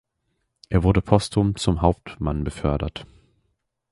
Er wurde posthum zum Hauptmann befördert.